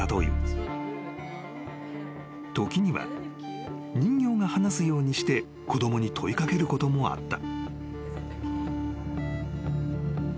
［時には人形が話すようにして子供に問い掛けることもあった］